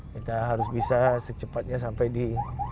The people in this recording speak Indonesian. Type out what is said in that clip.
kita harus bisa secepatnya sampai di rumah dinas